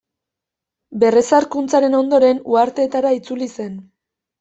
Berrezarkuntzaren ondoren, uharteetara itzuli zen.